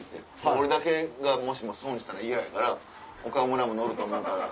俺だけが損したら嫌やから岡村も乗ると思うから！